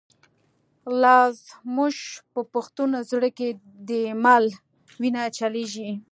لاز موږ په پښتون زړه کی، ”دایمل” وینه چلیږی